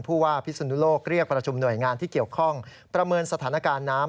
ผู้ว่าพิศนุโลกเรียกประชุมหน่วยงานที่เกี่ยวข้องประเมินสถานการณ์น้ำ